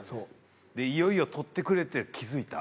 いよいよ取ってくれて気づいた。